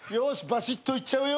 ばしっといっちゃうよ！